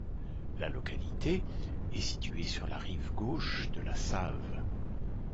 La localité est située sur la rive gauche de la Save.